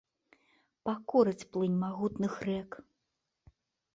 Пакорыць плынь магутных рэк.